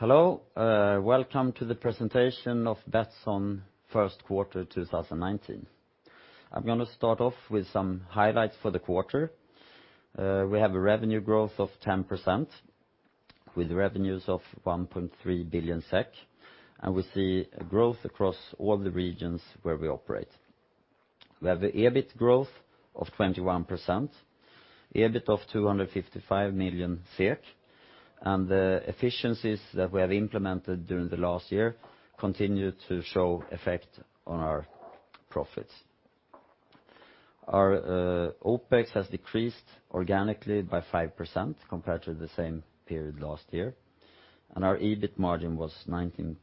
Hello, welcome to the presentation of Betsson first quarter 2019. I'm going to start off with some highlights for the quarter. We have a revenue growth of 10%, with revenues of 1.3 billion SEK, We see growth across all the regions where we operate. We have a EBIT growth of 21%, EBIT of 255 million SEK, The efficiencies that we have implemented during the last year continue to show effect on our profits. Our OPEX has decreased organically by 5% compared to the same period last year, Our EBIT margin was 19.2%.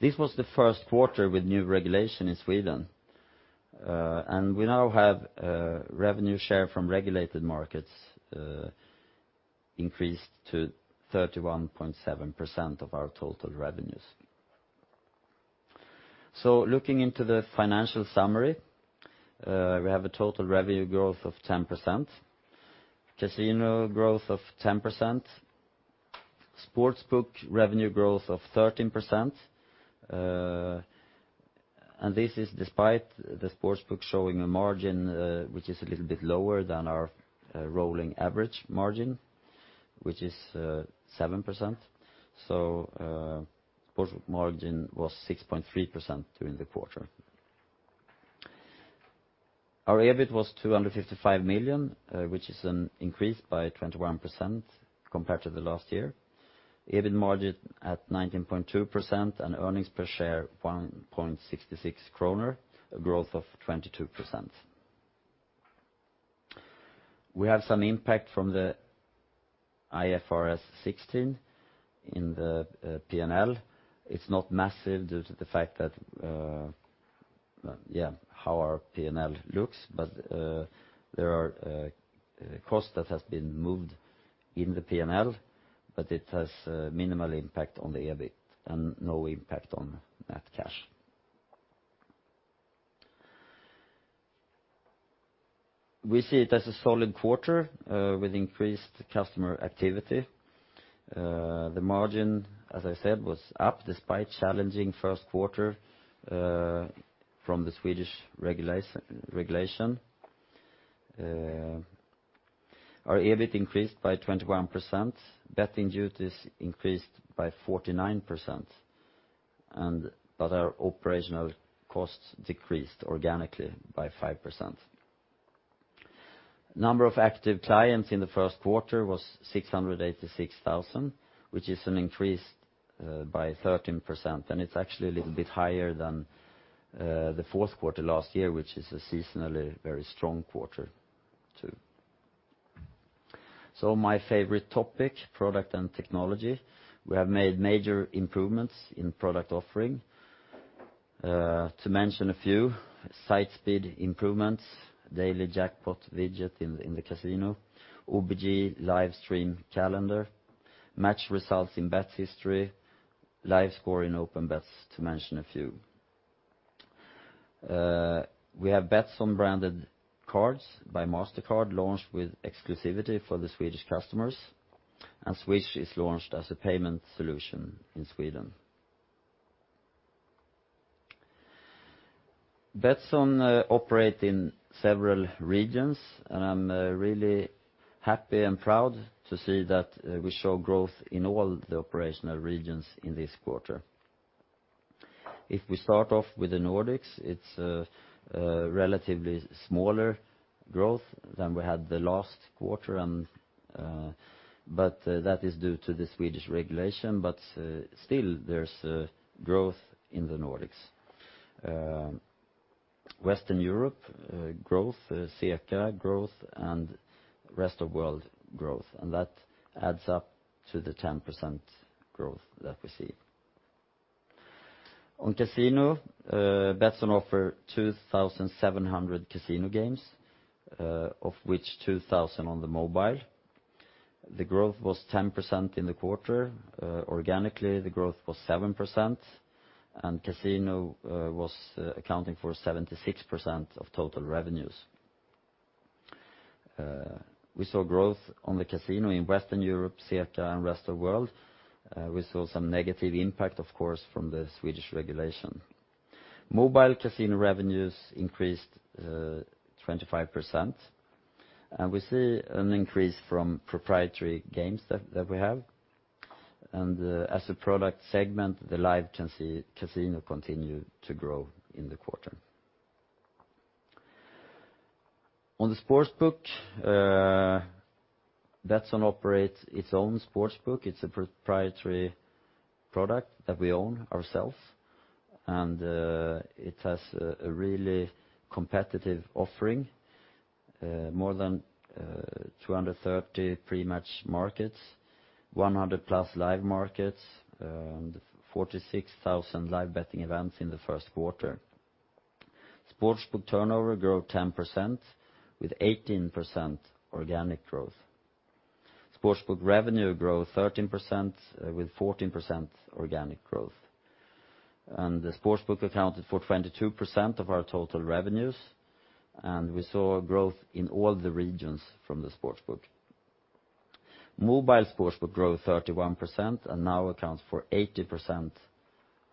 This was the first quarter with new regulation in Sweden. We now have revenue share from regulated markets increased to 31.7% of our total revenues. Looking into the financial summary, we have a total revenue growth of 10%, casino growth of 10%, sportsbook revenue growth of 13%. This is despite the sportsbook showing a margin which is a little bit lower than our rolling average margin, which is 7%. Sportsbook margin was 6.3% during the quarter. Our EBIT was 255 million, which is an increase by 21% compared to the last year. EBIT margin at 19.2% and earnings per share 1.66 kronor, a growth of 22%. We have some impact from the IFRS 16 in the P&L. It's not massive due to the fact that, how our P&L looks, There are costs that has been moved in the P&L, It has minimal impact on the EBIT and no impact on net cash. We see it as a solid quarter with increased customer activity. The margin, as I said, was up despite challenging first quarter from the Swedish regulation. Our EBIT increased by 21%, betting duties increased by 49%, Our operational costs decreased organically by 5%. Number of active clients in the first quarter was 686,000, which is an increase by 13%. It's actually a little bit higher than the fourth quarter last year, which is a seasonally very strong quarter too. My favorite topic, product and technology. We have made major improvements in product offering. To mention a few, site speed improvements, daily jackpot widget in the casino, OVG live stream calendar, match results in bets history, live score in open bets, to mention a few. We have Betsson Mastercard launched with exclusivity for the Swedish customers, Swish is launched as a payment solution in Sweden. Betsson operate in several regions, I'm really happy and proud to see that we show growth in all the operational regions in this quarter. If we start off with the Nordics, it's a relatively smaller growth than we had the last quarter, That is due to the Swedish regulation. Still, there's growth in the Nordics. Western Europe growth, CECA growth, Rest of world growth, That adds up to the 10% growth that we see. On casino, Betsson offer 2,700 casino games, of which 2,000 on the mobile. The growth was 10% in the quarter. Organically, the growth was 7%, Casino was accounting for 76% of total revenues. We saw growth on the casino in Western Europe, CECA, Rest of world. We saw some negative impact, of course, from the Swedish regulation. Mobile casino revenues increased 25%, We see an increase from proprietary games that we have. As a product segment, the live casino continued to grow in the quarter. On the sportsbook, Betsson operates its own sportsbook. It is a proprietary product that we own ourselves, and it has a really competitive offering. More than 230 pre-match markets, 100+ live markets, and 46,000 live betting events in the first quarter. Sportsbook turnover grew 10% with 18% organic growth. Sportsbook revenue grew 13% with 14% organic growth. The sportsbook accounted for 22% of our total revenues, and we saw growth in all the regions from the sportsbook. Mobile sportsbook grew 31% and now accounts for 80%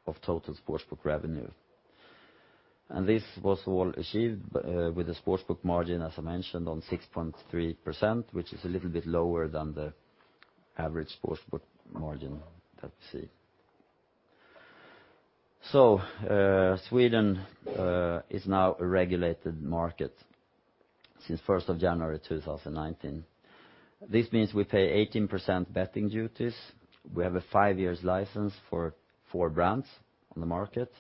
of total sportsbook revenue. This was all achieved with the sportsbook margin, as I mentioned, on 6.3%, which is a little bit lower than the average sportsbook margin that we see. Sweden is now a regulated market since 1st of January 2019. This means we pay 18% betting duties. We have a 5-year license for 4 brands on the market.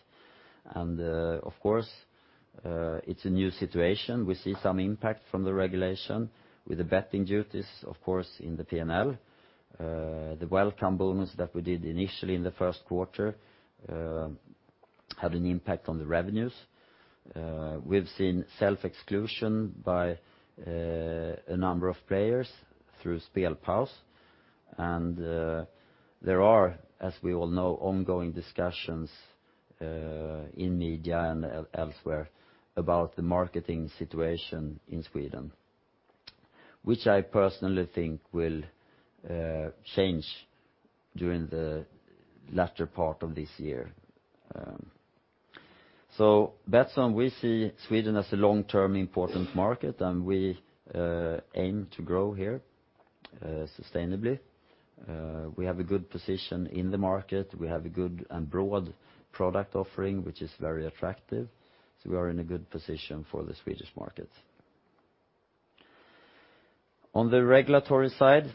Of course, it is a new situation. We see some impact from the regulation with the betting duties, of course, in the P&L. The welcome bonus that we did initially in the first quarter had an impact on the revenues. We have seen self-exclusion by a number of players through Spelpaus, and there are, as we all know, ongoing discussions in media and elsewhere about the marketing situation in Sweden, which I personally think will change during the latter part of this year. Betsson, we see Sweden as a long-term important market, and we aim to grow here sustainably. We have a good position in the market. We have a good and broad product offering, which is very attractive, so we are in a good position for the Swedish market. On the regulatory side,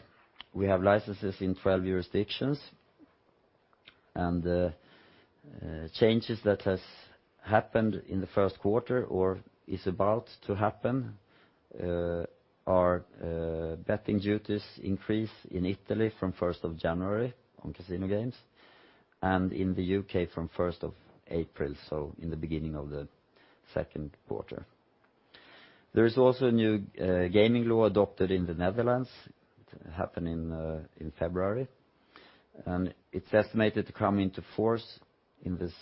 we have licenses in 12 jurisdictions, and changes that have happened in the first quarter or are about to happen are betting duties increase in Italy from 1st of January on casino games and in the U.K. from 1st of April, so in the beginning of the second quarter. There is also a new gaming law adopted in the Netherlands, happened in February, and it is estimated to come into force in this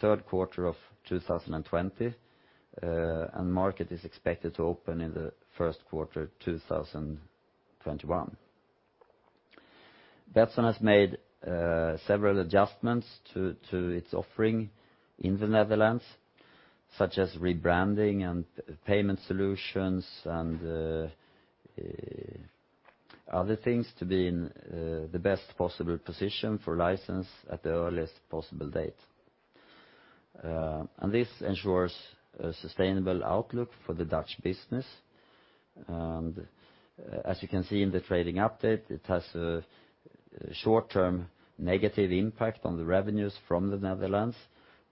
third quarter of 2020. Market is expected to open in the first quarter 2021. Betsson has made several adjustments to its offering in the Netherlands, such as rebranding and payment solutions and other things to be in the best possible position for license at the earliest possible date. This ensures a sustainable outlook for the Dutch business. As you can see in the trading update, it has a short-term negative impact on the revenues from the Netherlands,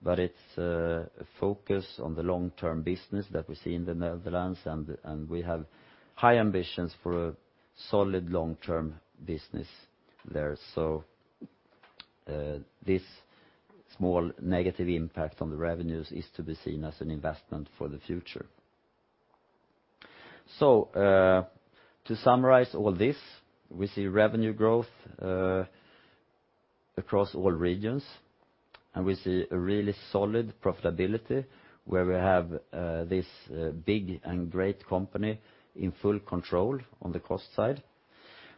but it is a focus on the long-term business that we see in the Netherlands, and we have high ambitions for a solid long-term business there. This small negative impact on the revenues is to be seen as an investment for the future. To summarize all this, we see revenue growth across all regions, and we see a really solid profitability where we have this big and great company in full control on the cost side.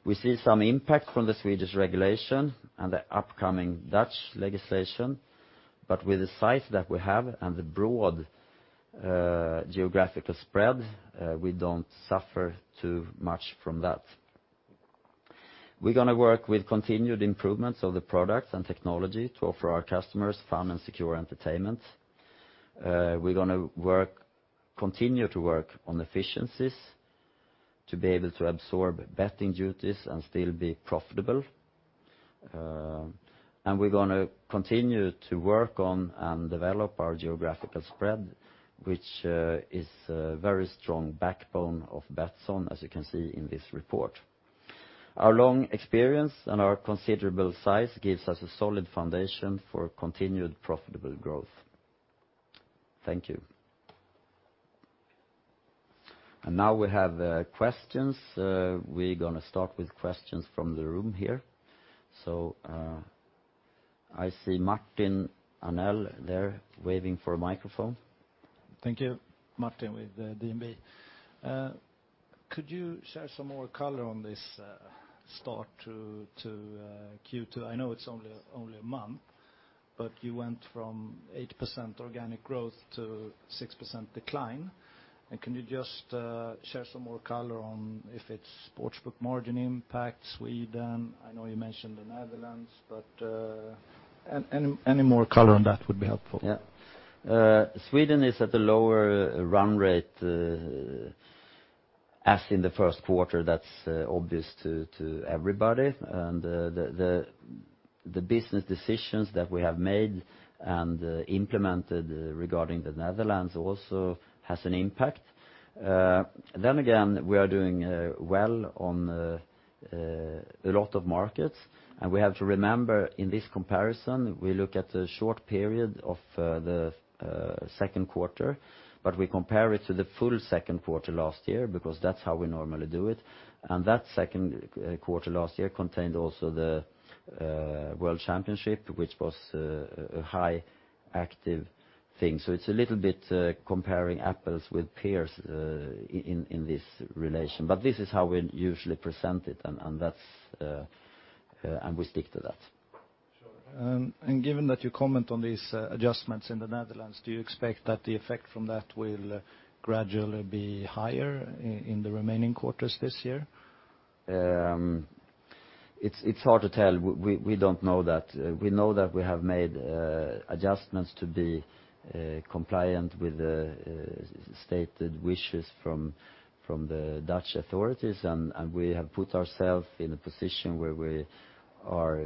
We see some impact from the Swedish regulation and the upcoming Dutch legislation, but with the size that we have and the broad geographical spread, we do not suffer too much from that. We are going to work with continued improvements of the products and technology to offer our customers fun and secure entertainment. We're going to continue to work on efficiencies to be able to absorb betting duties and still be profitable. We're going to continue to work on and develop our geographical spread, which is a very strong backbone of Betsson, as you can see in this report. Our long experience and our considerable size gives us a solid foundation for continued profitable growth. Thank you. Now we have questions. We're going to start with questions from the room here. I see Martin Arnell there waving for a microphone. Thank you. Martin with DNB. Could you share some more color on this start to Q2? I know it's only a month, but you went from 8% organic growth to 6% decline. Can you just share some more color on if it's sportsbook margin impact, Sweden? I know you mentioned the Netherlands, but any more color on that would be helpful. Yeah. Sweden is at a lower run rate as in the first quarter. That's obvious to everybody. The business decisions that we have made and implemented regarding the Netherlands also has an impact. Then again, we are doing well on a lot of markets, we have to remember in this comparison, we look at the short period of the second quarter, but we compare it to the full second quarter last year because that's how we normally do it. That second quarter last year contained also the world championship, which was a high active thing. It's a little bit comparing apples with pears in this relation, but this is how we usually present it and we stick to that. Sure. Given that you comment on these adjustments in the Netherlands, do you expect that the effect from that will gradually be higher in the remaining quarters this year? It's hard to tell. We don't know that. We know that we have made adjustments to be compliant with the stated wishes from the Dutch authorities, and we have put ourselves in a position where we are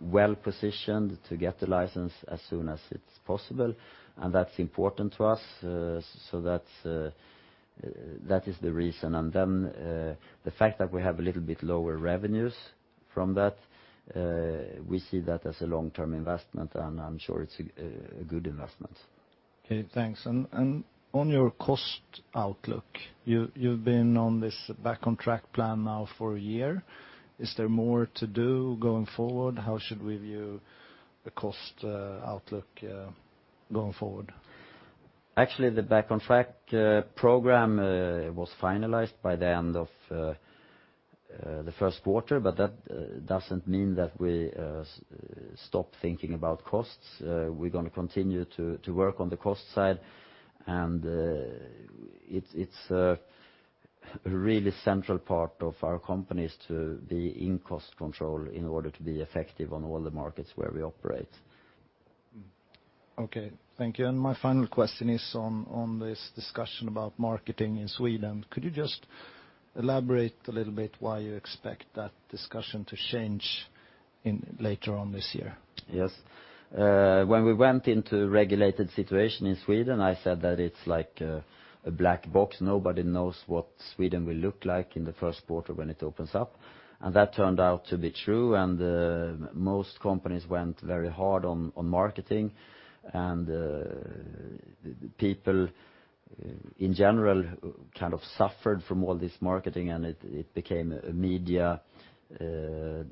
well-positioned to get the license as soon as it's possible, and that's important to us. That is the reason. The fact that we have a little bit lower revenues from that, we see that as a long-term investment, and I'm sure it's a good investment. Okay, thanks. On your cost outlook, you've been on this Back on Track plan now for a year. Is there more to do going forward? How should we view the cost outlook going forward? Actually, the Back on Track program was finalized by the end of the first quarter. That doesn't mean that we stop thinking about costs. We're going to continue to work on the cost side. It's a really central part of our company is to be in cost control in order to be effective on all the markets where we operate. Okay, thank you. My final question is on this discussion about marketing in Sweden. Could you just elaborate a little bit why you expect that discussion to change later on this year? Yes. When we went into regulated situation in Sweden, I said that it's like a black box. Nobody knows what Sweden will look like in the first quarter when it opens up. That turned out to be true. Most companies went very hard on marketing. People in general kind of suffered from all this marketing. It became a media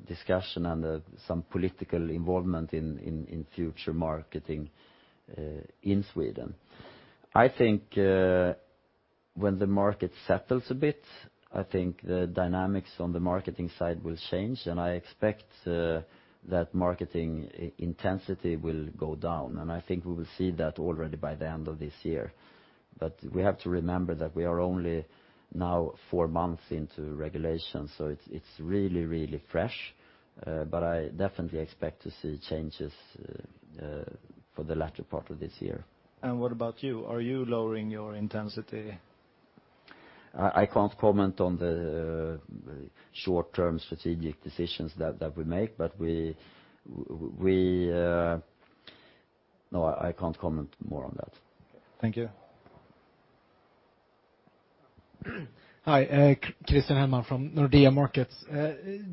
discussion and some political involvement in future marketing in Sweden. I think when the market settles a bit, I think the dynamics on the marketing side will change. I expect that marketing intensity will go down. I think we will see that already by the end of this year. We have to remember that we are only now four months into regulations, so it's really fresh, but I definitely expect to see changes for the latter part of this year. What about you? Are you lowering your intensity? I can't comment on the short-term strategic decisions that we make. No, I can't comment more on that. Thank you. Hi, Christian Hellman from Nordea Markets.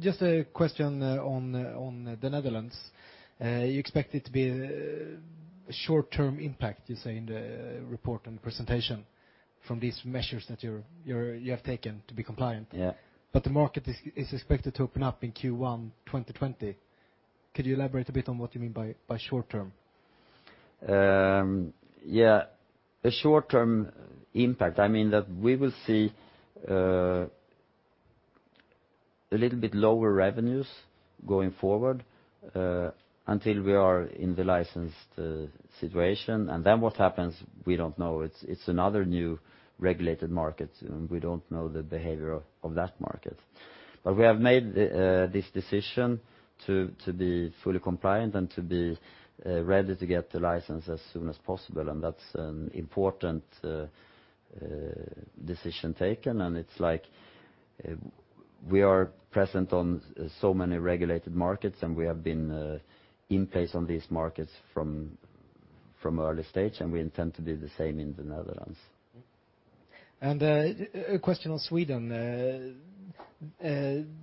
Just a question on the Netherlands. You expect it to be a short-term impact, you say in the report and presentation from these measures that you have taken to be compliant. Yeah. The market is expected to open up in Q1 2020. Could you elaborate a bit on what you mean by short-term? Yeah. A short-term impact, I mean that we will see a little bit lower revenues going forward until we are in the licensed situation. Then what happens, we don't know. It's another new regulated market, and we don't know the behavior of that market. We have made this decision to be fully compliant and to be ready to get the license as soon as possible, that's an important decision taken, it's like we are present on so many regulated markets, we have been in place on these markets from early stage, and we intend to do the same in the Netherlands. A question on Sweden. The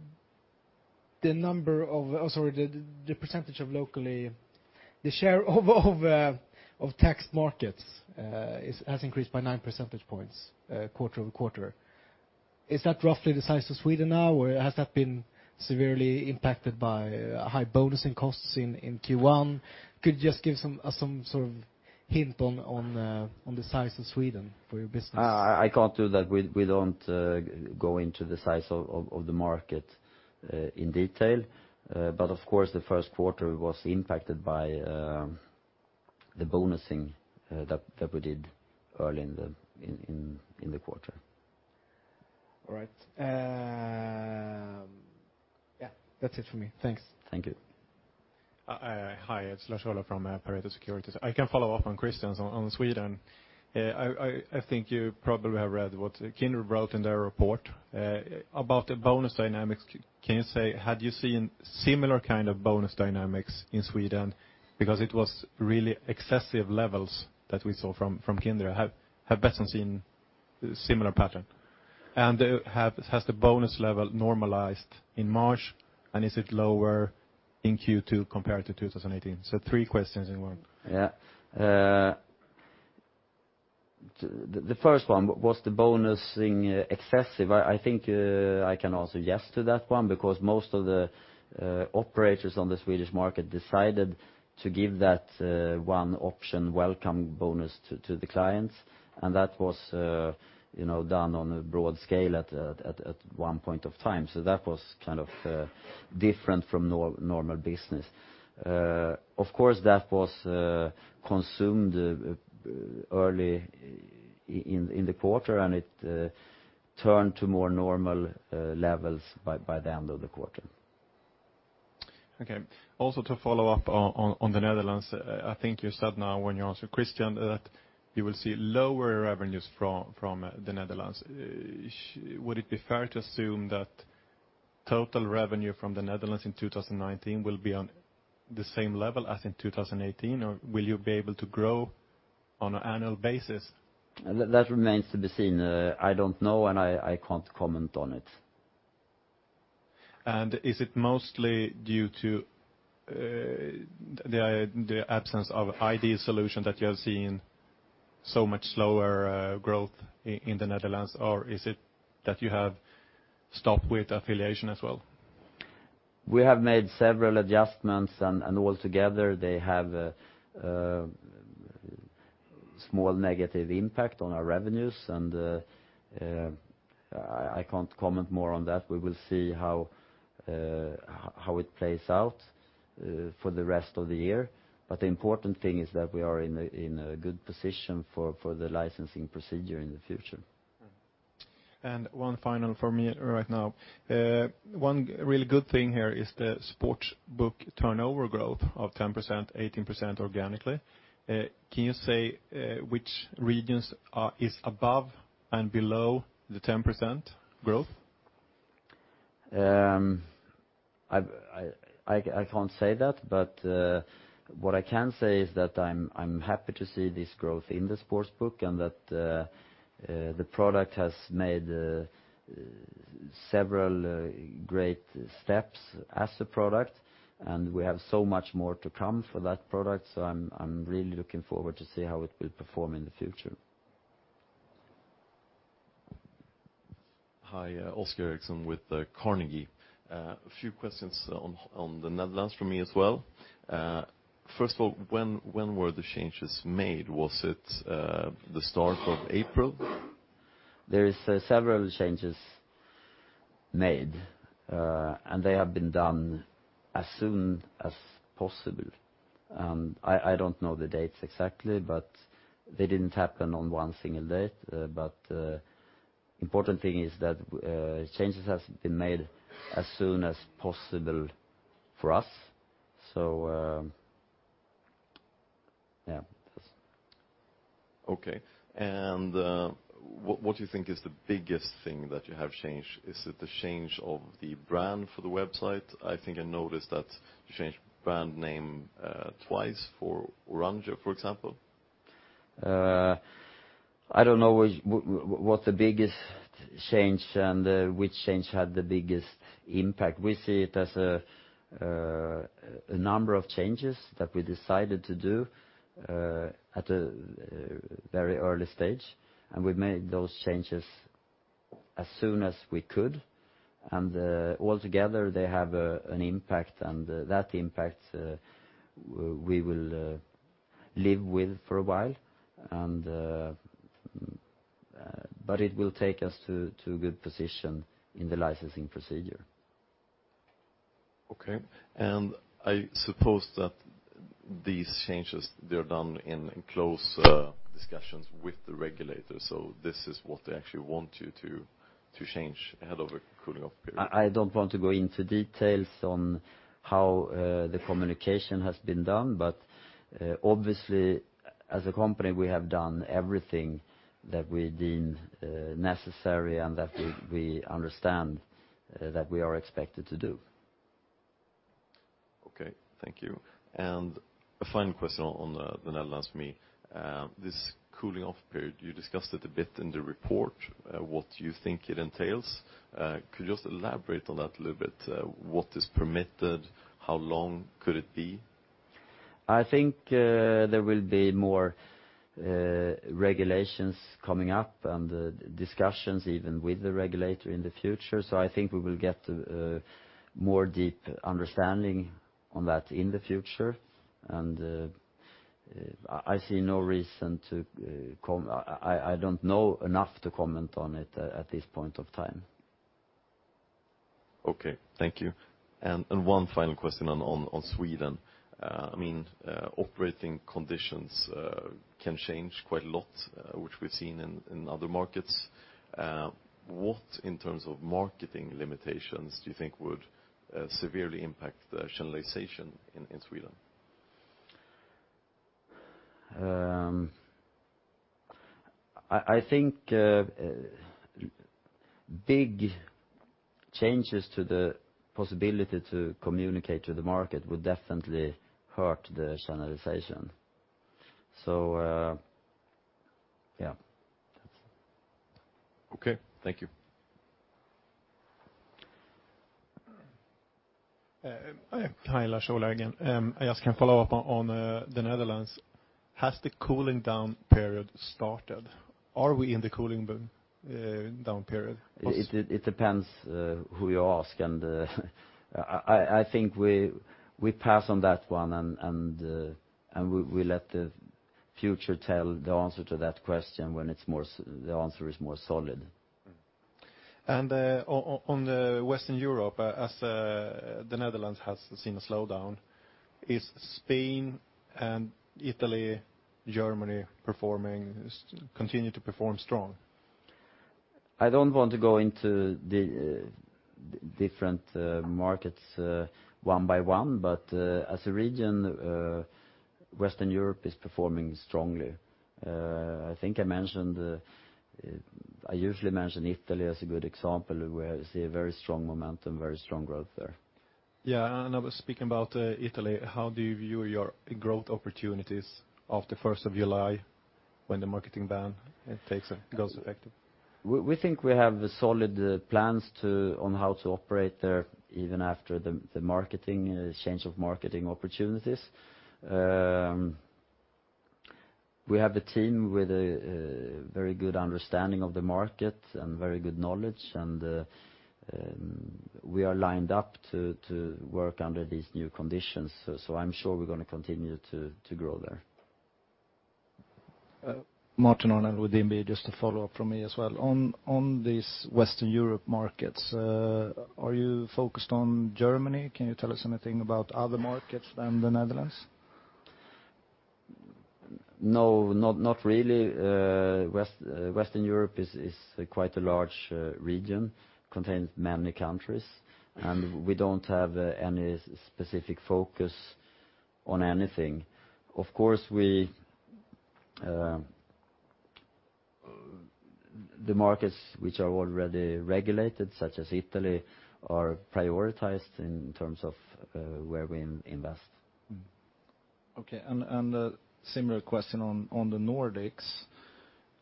share of taxed markets has increased by 9 percentage points quarter-over-quarter. Is that roughly the size of Sweden now, or has that been severely impacted by high bonusing costs in Q1? Could you just give us some sort of hint on the size of Sweden for your business? I can't do that. We don't go into the size of the market in detail. Of course, the first quarter was impacted by the bonusing that we did early in the quarter. All right. Yeah, that's it from me. Thanks. Thank you. Hi, it's Lars-Ola from Pareto Securities. I can follow up on Christian's on Sweden. I think you probably have read what Kindred wrote in their report about the bonus dynamics. Can you say, had you seen similar kind of bonus dynamics in Sweden? Because it was really excessive levels that we saw from Kindred. Have Betsson seen similar pattern? Has the bonus level normalized in March, and is it lower in Q2 compared to 2018? Three questions in one. Yeah. The first one, was the bonusing excessive? I think I can answer yes to that one, because most of the operators on the Swedish market decided to give that one option welcome bonus to the clients, and that was done on a broad scale at one point of time. That was kind of different from normal business. Of course, that was consumed early in the quarter, and it turned to more normal levels by the end of the quarter. Okay. Also to follow up on the Netherlands, I think you said now when you answered Christian that you will see lower revenues from the Netherlands. Would it be fair to assume that total revenue from the Netherlands in 2019 will be on the same level as in 2018? Will you be able to grow on an annual basis? That remains to be seen. I don't know, and I can't comment on it. Is it mostly due to the absence of an ID solution that you are seeing so much slower growth in the Netherlands? Is it that you have stopped with affiliation as well? We have made several adjustments. All together they have a small negative impact on our revenues. I can't comment more on that. We will see how it plays out for the rest of the year. The important thing is that we are in a good position for the licensing procedure in the future. One final from me right now. One really good thing here is the sportsbook turnover growth of 10%, 18% organically. Can you say which regions is above and below the 10% growth? I can't say that. What I can say is that I'm happy to see this growth in the sportsbook. That the product has made several great steps as a product, and we have so much more to come for that product. I'm really looking forward to see how it will perform in the future. Hi, Oscar Eriksson with Carnegie. A few questions on the Netherlands from me as well. First of all, when were the changes made? Was it the start of April? There is several changes made, and they have been done as soon as possible. I don't know the dates exactly, but they didn't happen on one single date. Important thing is that changes have been made as soon as possible for us. Yeah. Okay. What do you think is the biggest thing that you have changed? Is it the change of the brand for the website? I think I noticed that you changed brand name twice for Oranje, for example. I don't know what the biggest change and which change had the biggest impact. We see it as a number of changes that we decided to do at a very early stage, and we made those changes as soon as we could. All together they have an impact, and that impact we will live with for a while, but it will take us to a good position in the licensing procedure. Okay. I suppose that these changes, they're done in close discussions with the regulators, so this is what they actually want you to change ahead of a cooling off period. I don't want to go into details on how the communication has been done. Obviously, as a company, we have done everything that we deemed necessary and that we understand that we are expected to do. Okay. Thank you. A final question on the Netherlands for me. This cooling off period, you discussed it a bit in the report, what you think it entails. Could you just elaborate on that a little bit? What is permitted? How long could it be? I think there will be more regulations coming up and discussions even with the regulator in the future. I think we will get more deep understanding on that in the future. I see no reason to. I don't know enough to comment on it at this point of time. Okay. Thank you. One final question on Sweden. Operating conditions can change quite a lot, which we've seen in other markets. What, in terms of marketing limitations, do you think would severely impact the channelization in Sweden? I think big changes to the possibility to communicate to the market would definitely hurt the channelization. Yeah. Okay. Thank you. Hi, Lars-Ola again. I just can follow up on the Netherlands. Has the cooling-down period started? Are we in the cooling-down period? It depends who you ask, I think we pass on that one, we let the future tell the answer to that question when the answer is more solid. On the Western Europe, as the Netherlands has seen a slowdown, is Spain and Italy, Germany continue to perform strong? I don't want to go into the different markets one by one, but as a region, Western Europe is performing strongly. I usually mention Italy as a good example of where I see a very strong momentum, very strong growth there. I was speaking about Italy, how do you view your growth opportunities after the 1st of July when the marketing ban goes effective? We think we have solid plans on how to operate there even after the change of marketing opportunities. We have a team with a very good understanding of the market and very good knowledge. We are lined up to work under these new conditions. I'm sure we're going to continue to grow there. Martin Arnell with DNB, just a follow-up from me as well. On these Western Europe markets, are you focused on Germany? Can you tell us anything about other markets than the Netherlands? No, not really. Western Europe is quite a large region, contains many countries, and we don't have any specific focus on anything. Of course, the markets which are already regulated, such as Italy, are prioritized in terms of where we invest. Okay, a similar question on the Nordics.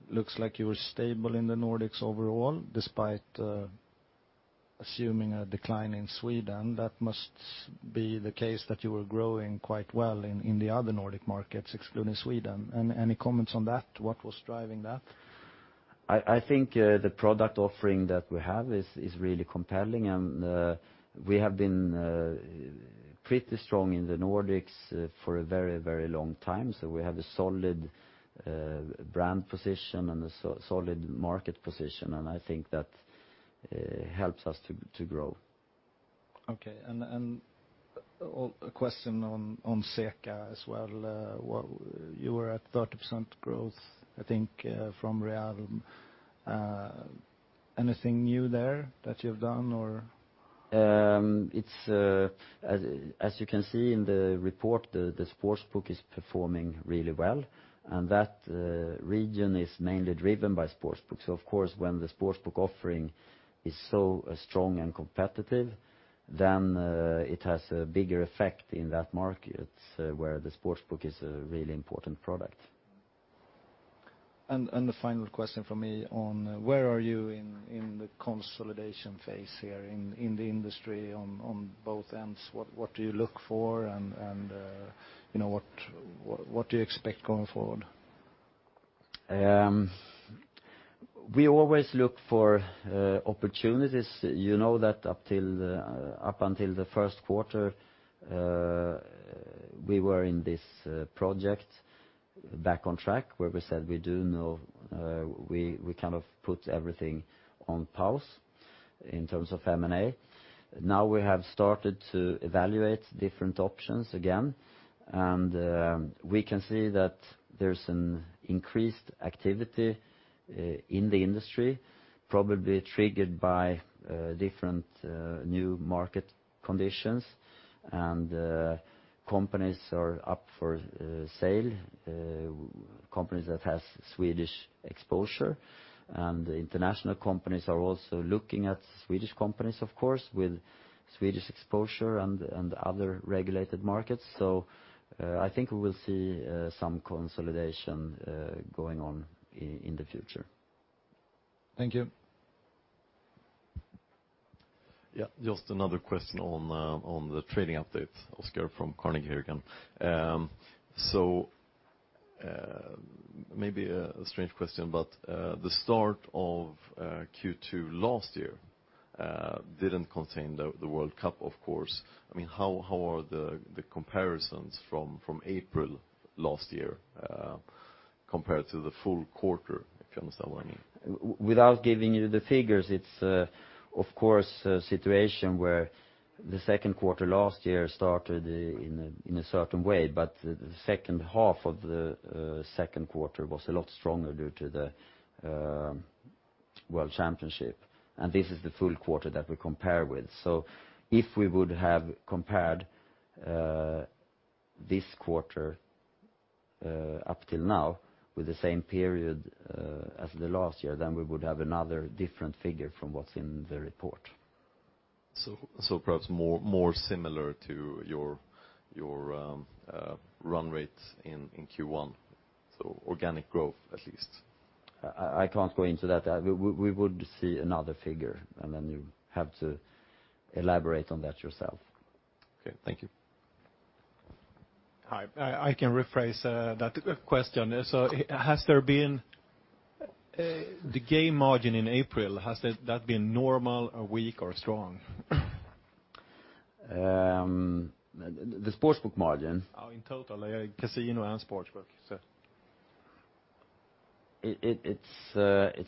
Looks like you were stable in the Nordics overall, despite assuming a decline in Sweden. That must be the case that you were growing quite well in the other Nordic markets, excluding Sweden. Any comments on that? What was driving that? I think the product offering that we have is really compelling, and we have been pretty strong in the Nordics for a very long time. We have a solid brand position and a solid market position, and I think that helps us to grow. Okay, a question on CECA as well. You were at 30% growth, I think, from Realm. Anything new there that you've done? As you can see in the report, the sportsbook is performing really well. That region is mainly driven by sportsbook. Of course, when the sportsbook offering is so strong and competitive, then it has a bigger effect in that market, where the sportsbook is a really important product. The final question from me on where are you in the consolidation phase here in the industry on both ends? What do you look for and what do you expect going forward? We always look for opportunities. You know that up until the first quarter, we were in this project Back on Track, where we said we kind of put everything on pause in terms of M&A. Now we have started to evaluate different options again. We can see that there's an increased activity in the industry, probably triggered by different new market conditions. Companies are up for sale, companies that have Swedish exposure. International companies are also looking at Swedish companies, of course, with Swedish exposure and other regulated markets. I think we will see some consolidation going on in the future. Thank you. Yeah, just another question on the trading update, Oscar from Carnegie here again. Maybe a strange question, the start of Q2 last year didn't contain the World Cup, of course. How are the comparisons from April last year compared to the full quarter, if you understand what I mean? Without giving you the figures, it's of course, a situation where the second quarter last year started in a certain way, but the second half of the second quarter was a lot stronger due to the World Championship. This is the full quarter that we compare with. If we would have compared this quarter up till now with the same period as the last year, we would have another different figure from what's in the report. Perhaps more similar to your run rate in Q1. Organic growth, at least. I can't go into that. We would see another figure, then you have to elaborate on that yourself. Okay. Thank you. Hi. I can rephrase that question. The sportsbook margin in April, has that been normal, or weak, or strong? The sportsbook margin? In total, casino and sportsbook. It's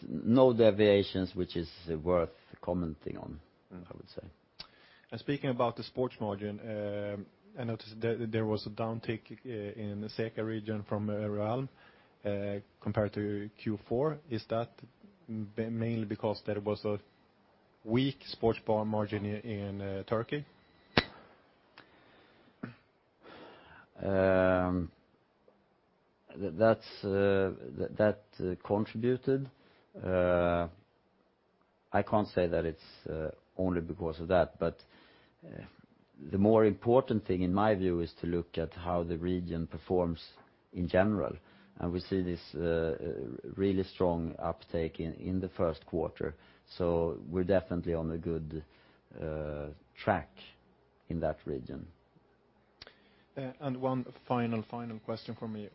no deviations which is worth commenting on, I would say. Speaking about the sportsbook margin, I noticed there was a downtick in the CECA region from Realm, compared to Q4. Is that mainly because there was a weak sportsbook margin in Turkey? That contributed. I can't say that it's only because of that, the more important thing, in my view, is to look at how the region performs in general. We see this really strong uptake in the first quarter. We're definitely on a good track in that region. One final question from me.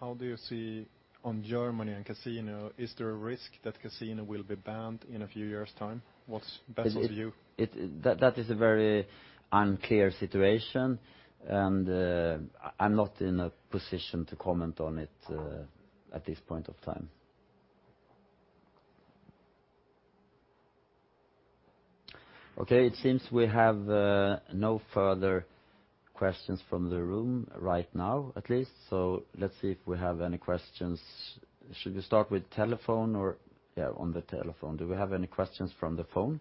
How do you see on Germany and casino, is there a risk that casino will be banned in a few years' time? What's Betsson's view? That is a very unclear situation, and I'm not in a position to comment on it at this point of time. Okay, it seems we have no further questions from the room right now, at least. Let's see if we have any questions. Should we start with telephone or on the telephone. Do we have any questions from the phone?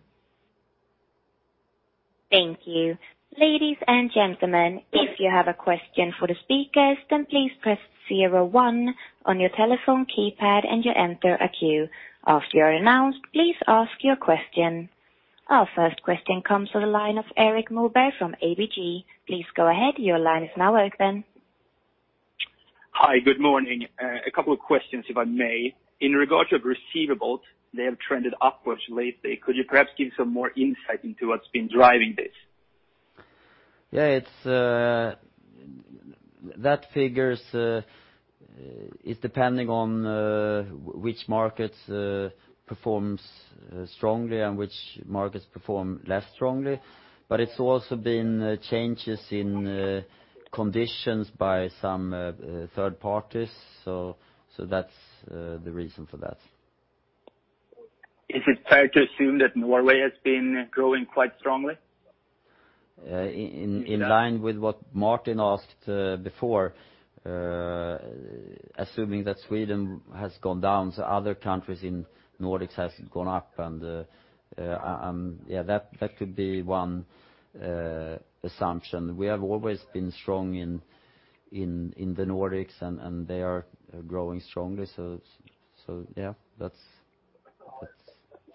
Thank you. Ladies and gentlemen, if you have a question for the speakers, then please press 01 on your telephone keypad, and you enter a queue. After you are announced, please ask your question. Our first question comes to the line of Erik Moberg from ABG. Please go ahead. Your line is now open. Hi. Good morning. A couple of questions, if I may. In regard to receivables, they have trended upwards lately. Could you perhaps give some more insight into what's been driving this? Yeah. That figure is depending on which markets perform strongly and which markets perform less strongly. It's also been changes in conditions by some third parties. That's the reason for that. Is it fair to assume that Norway has been growing quite strongly? In line with what Martin asked before, assuming that Sweden has gone down, other countries in Nordics have gone up. Yeah, that could be one assumption. We have always been strong in the Nordics, and they are growing strongly. Yeah, that's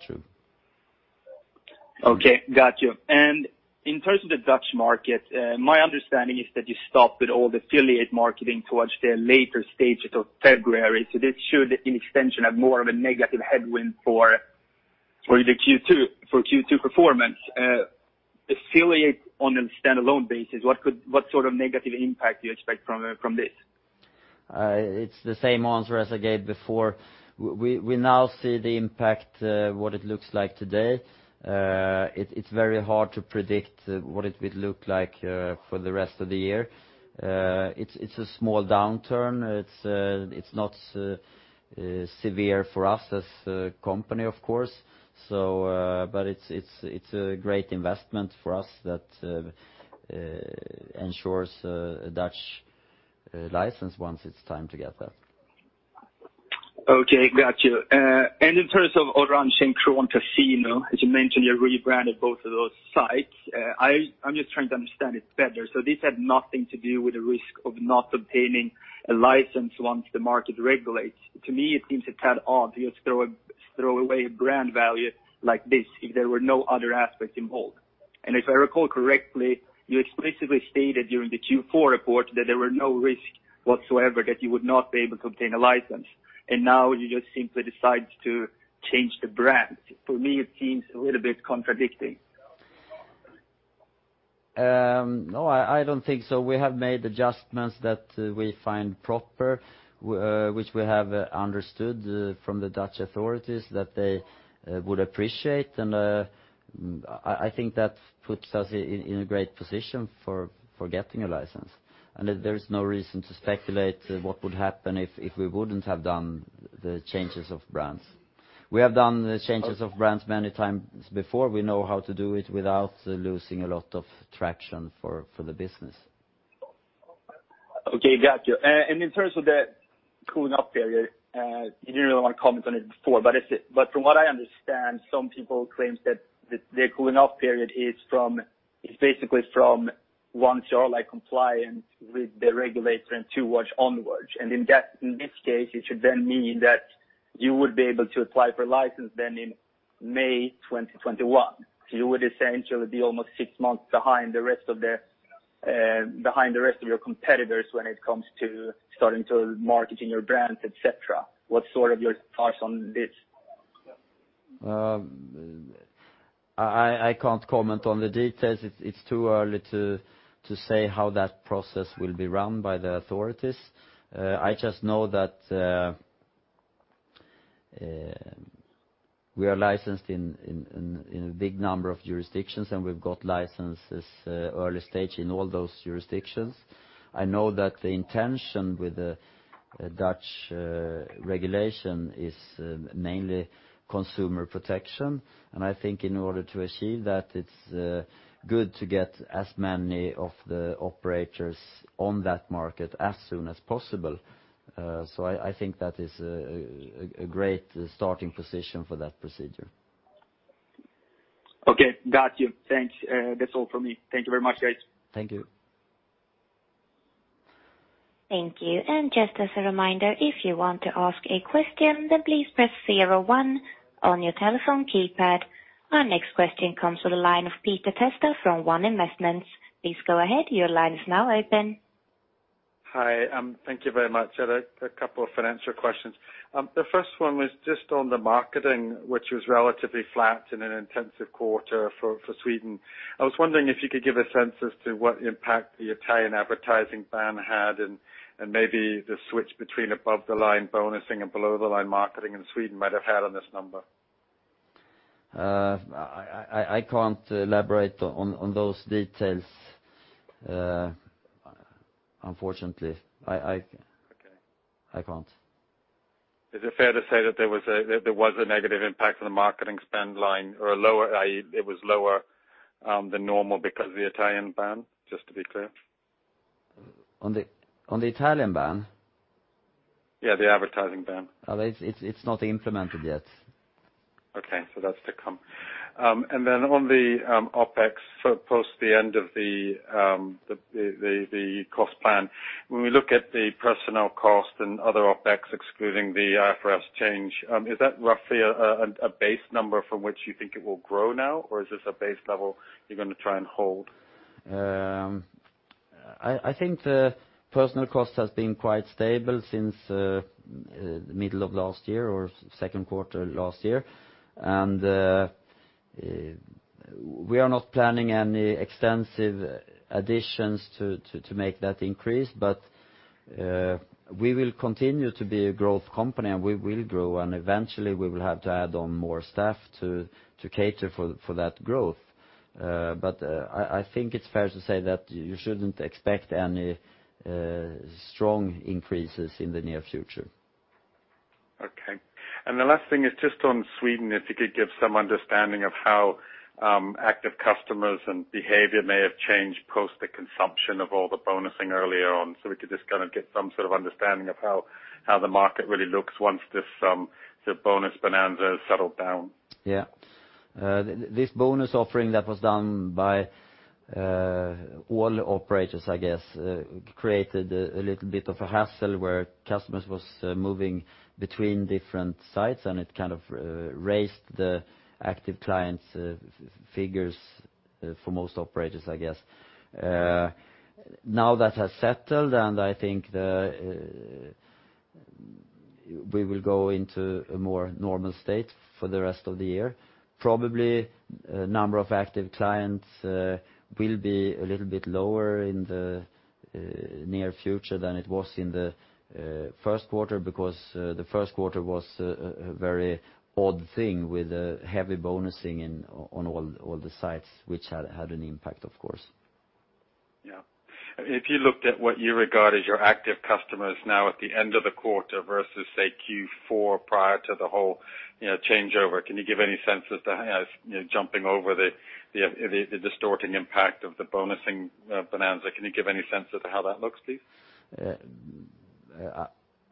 true. Okay. Got you. In terms of the Dutch market, my understanding is that you stopped with all the affiliate marketing towards the later stages of February. This should, in extension, have more of a negative headwind for the Q2 performance. Affiliate on a standalone basis, what sort of negative impact do you expect from this? It's the same answer as I gave before. We now see the impact, what it looks like today. It's very hard to predict what it would look like for the rest of the year. It's a small downturn. It's not severe for us as a company, of course. It's a great investment for us that ensures a Dutch license once it's time to get that. Okay. Got you. In terms of Oranje Casino and Kroon Casino, as you mentioned, you rebranded both of those sites. I'm just trying to understand it better. This had nothing to do with the risk of not obtaining a license once the market regulates. To me, it seems a tad odd you throw away brand value like this if there were no other aspects involved. If I recall correctly, you explicitly stated during the Q4 report that there were no risk whatsoever that you would not be able to obtain a license, and now you just simply decide to change the brand. To me, it seems a little bit contradicting. No, I don't think so. We have made adjustments that we find proper, which we have understood from the Dutch authorities that they would appreciate. I think that puts us in a great position for getting a license. There is no reason to speculate what would happen if we wouldn't have done the changes of brands. We have done the changes of brands many times before. We know how to do it without losing a lot of traction for the business. Okay. Got you. In terms of the cooling-off period, you didn't really want to comment on it before, but from what I understand, some people claim that their cooling-off period is basically from once you are compliant with the regulator and towards onwards. In this case, it should then mean that you would be able to apply for a license then in May 2021. You would essentially be almost six months behind the rest of your competitors when it comes to starting to marketing your brands, et cetera. What sort of your thoughts on this? I can't comment on the details. It's too early to say how that process will be run by the authorities. I just know that we are licensed in a big number of jurisdictions, and we've got licenses early stage in all those jurisdictions. I know that the intention with the Dutch regulation is mainly consumer protection, and I think in order to achieve that, it's good to get as many of the operators on that market as soon as possible. I think that is a great starting position for that procedure. Okay, got you. Thanks. That's all from me. Thank you very much, guys. Thank you. Thank you. Just as a reminder, if you want to ask a question, then please press 01 on your telephone keypad. Our next question comes from the line of Peter Testa from One Investments. Please go ahead. Your line is now open. Hi, thank you very much. I had a couple of financial questions. The first one was just on the marketing, which was relatively flat in an intensive quarter for Sweden. I was wondering if you could give a sense as to what impact the Italian advertising ban had and maybe the switch between above-the-line bonusing and below-the-line marketing in Sweden might have had on this number. I can't elaborate on those details, unfortunately. Okay. I can't. Is it fair to say that there was a negative impact on the marketing spend line or it was lower than normal because of the Italian ban? Just to be clear. On the Italian ban? Yeah, the advertising ban. It's not implemented yet. Okay, that's to come. On the OpEx post the end of the cost plan, when we look at the personnel cost and other OpEx excluding the IFRS change, is that roughly a base number from which you think it will grow now? Or is this a base level you're going to try and hold? I think the personnel cost has been quite stable since the middle of last year or second quarter last year. We are not planning any extensive additions to make that increase. We will continue to be a growth company, and we will grow, and eventually we will have to add on more staff to cater for that growth. I think it's fair to say that you shouldn't expect any strong increases in the near future. Okay. The last thing is just on Sweden, if you could give some understanding of how active customers and behavior may have changed post the consumption of all the bonusing earlier on, so we could just kind of get some sort of understanding of how the market really looks once this bonus bonanza has settled down. Yeah. This bonus offering that was done by all operators, I guess, created a little bit of a hassle where customers was moving between different sites, and it kind of raised the active clients figures for most operators, I guess. Now that has settled. I think we will go into a more normal state for the rest of the year. Probably, number of active clients will be a little bit lower in the near future than it was in the first quarter because the first quarter was a very odd thing with heavy bonusing on all the sites which had an impact, of course. Yeah. If you looked at what you regard as your active customers now at the end of the quarter versus, say, Q4 prior to the whole changeover, can you give any sense as to how, jumping over the distorting impact of the bonusing bonanza, can you give any sense as to how that looks, please?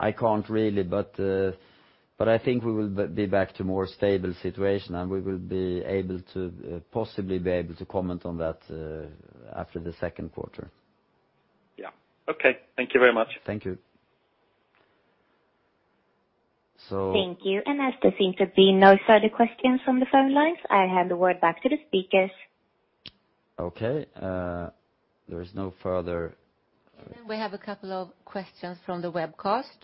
I can't really, but I think we will be back to more stable situation, and we will possibly be able to comment on that after the second quarter. Yeah. Okay. Thank you very much. Thank you. Thank you. As there seems to be no further questions from the phone lines, I hand the word back to the speakers. Okay. There is no further We have a couple of questions from the webcast.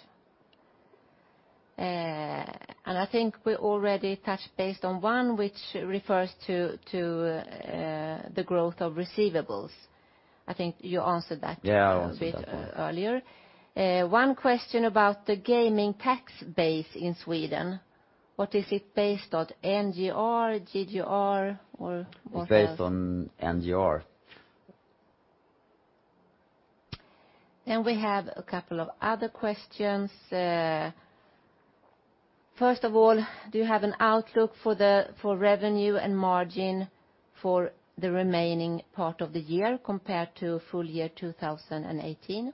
I think we already touched base on one which refers to the growth of receivables. I think you answered that Yeah a bit earlier. One question about the gaming tax base in Sweden. What is it based on, NGR, GGR or what else? It's based on NGR. We have a couple of other questions. First of all, do you have an outlook for revenue and margin for the remaining part of the year compared to full year 2018?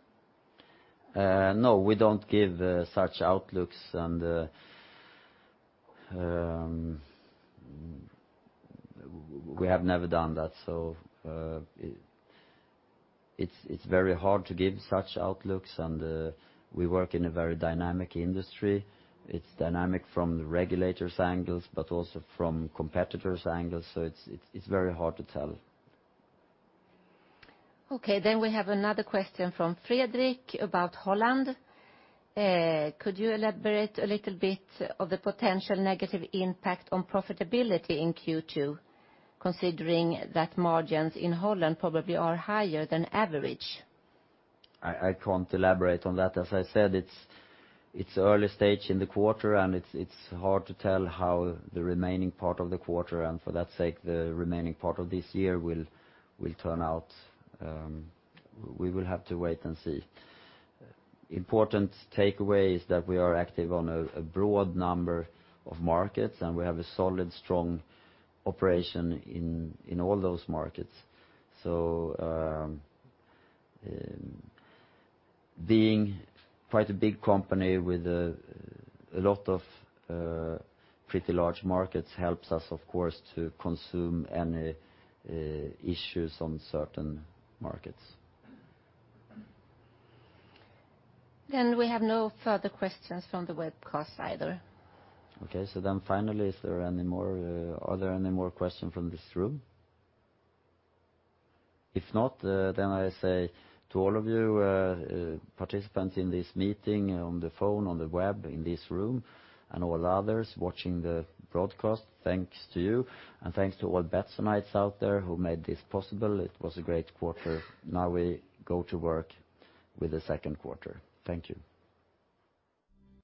No, we don't give such outlooks. We have never done that. It's very hard to give such outlooks, and we work in a very dynamic industry. It's dynamic from the regulators' angles, but also from competitors' angles. It's very hard to tell. Okay. We have another question from Frederick about Holland. Could you elaborate a little bit on the potential negative impact on profitability in Q2, considering that margins in Holland probably are higher than average? I can't elaborate on that. As I said, it's early stage in the quarter, and it's hard to tell how the remaining part of the quarter, and for that sake, the remaining part of this year will turn out. We will have to wait and see. Important takeaway is that we are active on a broad number of markets, and we have a solid, strong operation in all those markets. Being quite a big company with a lot of pretty large markets helps us, of course, to consume any issues on certain markets. We have no further questions from the webcast either. Finally, are there any more questions from this room? If not, then I say to all of you participants in this meeting on the phone, on the web, in this room, and all others watching the broadcast, thanks to you, and thanks to all Betssonites out there who made this possible. It was a great quarter. Now we go to work with the second quarter. Thank you.